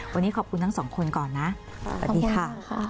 วันนี้ขอบคุณทั้งสองคนก่อนนะสวัสดีค่ะ